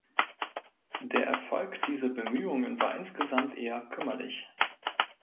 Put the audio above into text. Der Erfolg dieser Bemühungen war insgesamt eher kümmerlich.